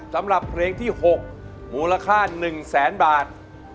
สำหรับเพลงที่๖มูลค่า๑แสนบาท